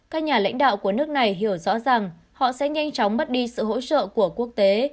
các nhà lãnh đạo của nước này hiểu rõ rằng họ sẽ nhanh chóng bắt đi sự hỗ trợ của quốc tế